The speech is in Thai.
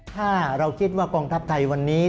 ถ้าเราคิดว่ากองทัพไทยวันนี้